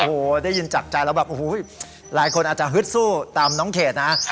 โอ้โหได้ยินจากใจแล้วแบบโอ้โหหลายคนอาจจะฮึดสู้ตามน้องเขตนะ